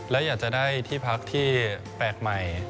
และอยากจะได้ที่พักที่แปลกใหม่